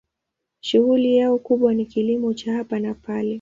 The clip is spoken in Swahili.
Shughuli yao kubwa ni kilimo cha hapa na pale.